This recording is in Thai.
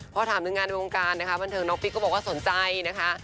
พอถามถึงงานในวงการนะคะบันเทิงน้องปิ๊กก็บอกว่าสนใจนะคะ